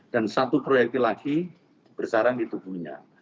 dan satu proyekti lagi bersarang di tubuhnya